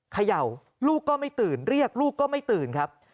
เขย่าลูกก็ไม่ตื่นเรียกลูกก็ไม่ตื่นครับ